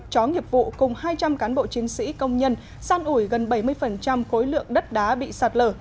chó nghiệp vụ cùng hai trăm linh cán bộ chiến sĩ công nhân san ủi gần bảy mươi khối lượng đất đá bị sạt lở